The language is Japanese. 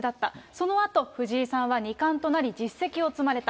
そのあと、藤井さんは二冠となり、実績を積まれた。